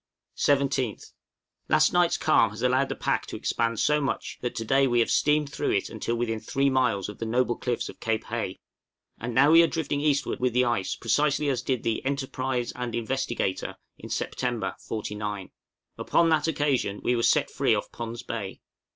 17th. Last night's calm has allowed the pack to expand so much, that to day we have steamed through it until within three miles of the noble cliffs of Cape Hay; and now we are drifting eastward with the ice precisely as did the 'Enterprise' and 'Investigator,' in September, '49. Upon that occasion we were set free off Pond's Bay.